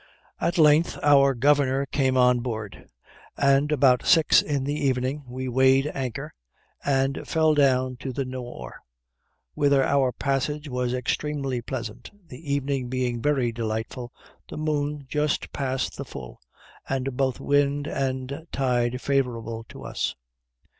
At length our governor came on board, and about six in the evening we weighed anchor, and fell down to the Nore, whither our passage was extremely pleasant, the evening being very delightful, the moon just past the full, and both wind and tide favorable to us.